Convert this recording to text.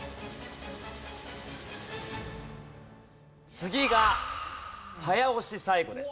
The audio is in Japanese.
次が早押し最後です。